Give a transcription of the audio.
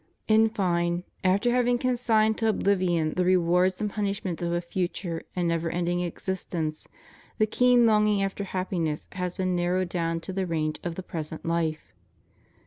In fine, after having consigned to obhvion the rewards and punishments of a future and never ending existence, the keen longing after happiness has been narrowed down to the range of the present life.